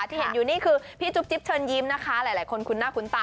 ที่เห็นอยู่นี่คือพี่จุ๊บจิ๊บเชิญยิ้มนะคะหลายคนคุ้นหน้าคุ้นตา